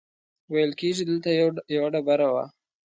ویل کېږي دلته یوه ډبره وه.